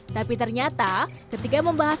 tapi ternyata ketika membahas